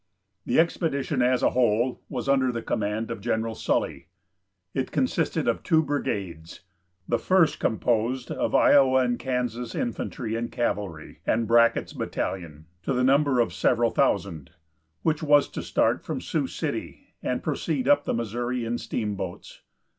The expedition, as a whole, was under the command of General Sully. It consisted of two brigades, the first composed of Iowa and Kansas infantry and cavalry, and Brackett's Battalion, to the number of several thousand, which was to start from Sioux City and proceed up the Missouri in steamboats.